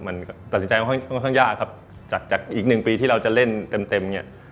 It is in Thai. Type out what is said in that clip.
มันตัดสินใจค่อนข้างยากครับจากจากอีกหนึ่งปีที่เราจะเล่นเต็มเต็มเนี่ย